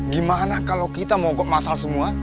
gimana kalau kita mau ngogok masalah semua